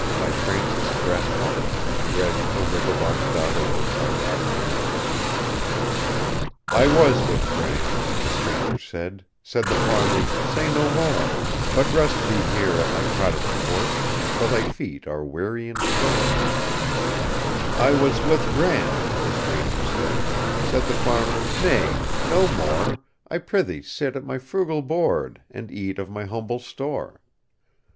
By Francis BretHarte 748 The Aged Stranger "I WAS with Grant"—the stranger said; Said the farmer, "Say no more, But rest thee here at my cottage porch, For thy feet are weary and sore.""I was with Grant"—the stranger said; Said the farmer, "Nay, no more,—I prithee sit at my frugal board, And eat of my humble store.